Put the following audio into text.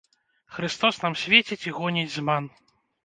Хрыстос нам свеціць і гоніць зман.